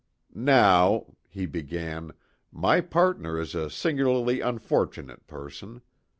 "Now," he began, "my partner is a singularly unfortunate person.